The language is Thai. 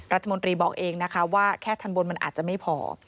รัฐมนตรีบอกเองนะคะว่าแค่ทันบนมันอาจจะไม่พอ